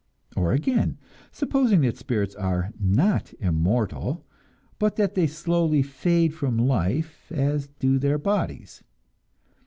Or, again, supposing that spirits are not immortal, but that they slowly fade from life as do their bodies.